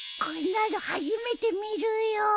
こんなの初めて見るよ。